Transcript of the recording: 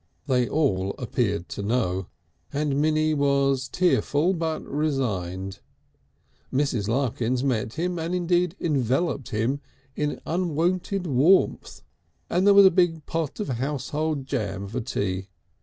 They all appeared to know; and Minnie was tearful, but resigned. Mrs. Larkins met him, and indeed enveloped him, with unwonted warmth, and there was a big pot of household jam for tea.